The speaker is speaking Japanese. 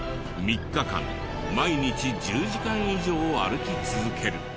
３日間毎日１０時間以上歩き続ける。